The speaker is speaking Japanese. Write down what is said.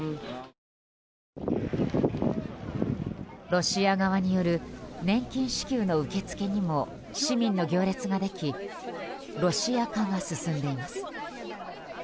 ロシア側による年金支給の受付にも市民の行列ができロシア化が進んでいます。